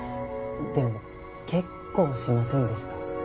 でも結構しませんでした？